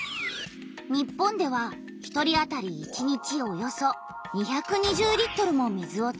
日本では１人あたり１日およそ２２０リットルも水を使っている。